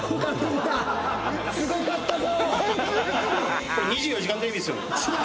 すごかったぞ！